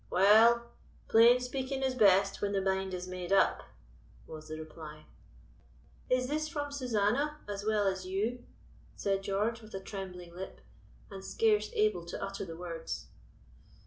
"Well, plain speaking is best when the mind is made up," was the reply. "Is this from Susanna, as well as you?" said George, with a trembling lip, and scarce able to utter the words.